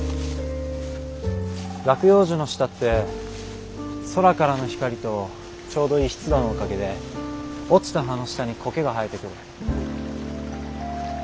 落葉樹の下って空からの光とちょうどいい湿度のおかげで落ちた葉の下に苔が生えてくる。